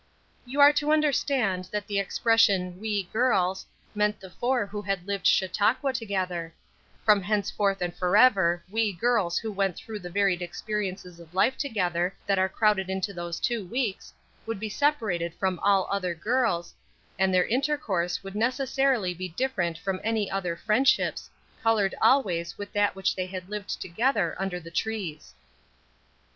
You are to understand that the expression, "we girls," meant the four who had lived Chautauqua together; from henceforth and forever "we girls" who went through the varied experiences of life together that were crowded into those two weeks, would be separated from all other girls, and their intercourse would necessarily be different from any other friendships, colored always with that which they had lived together under the trees.